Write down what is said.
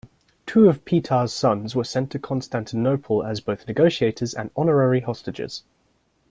Two of Petar's sons were sent to Constantinople as both negotiators and honorary hostages.